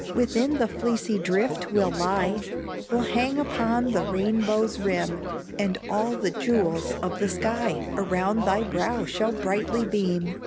Within the fleecy drift we'll lie, We'll hang upon the rainbow's rim; And all the jewels of the sky Around thy brow shall brightly beam!